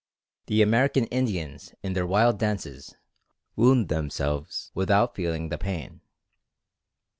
The American Indians in their wild dances, wound themselves without feeling the pain.